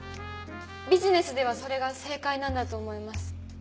ビジネスではそれが正解なんだと思います。